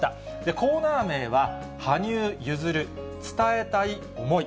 コーナー名は、羽生結弦伝えたい思い。